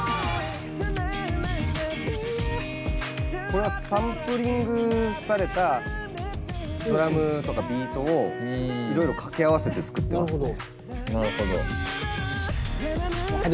これはサンプリングされたドラムとかビートをいろいろ掛け合わせて作ってますね。